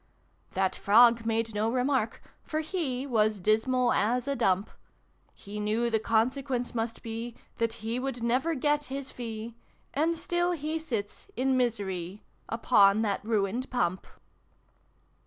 Tliat Frog made no remark, for he Was dismal as a dump : He knew the consequence must be That lie would never get his fee And still he sits, in miserie, Upon that ruined Pump